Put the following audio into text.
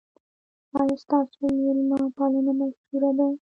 ایا ستاسو میلمه پالنه مشهوره ده؟